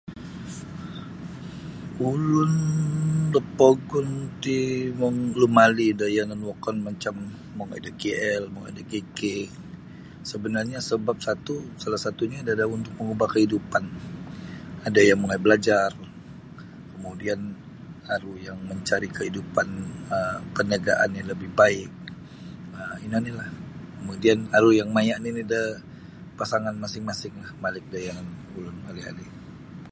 Ulun da pogun ti lum-lumali da yanan wokon macam mongoi da KL mongoi da KK sebenarnya sebab satu salah satunya adalah untuk mengubah kehidupan ada yang mongoi balajar kemudian aru yang mencari kehidupan um perniagaan yang lebih baik um ino ni lah kemudian aru ni yang maya da pasangan masing-masing malik da yanan ulun liali.